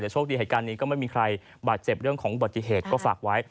แต่โชคดีเหตุการณ์นี้ก็ไม่มีใครบาดเจ็บเรื่องของอุบัติเหตุก็ฝากไว้